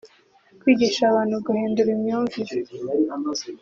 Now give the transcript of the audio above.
kwigisha abantu guhindura imyumvire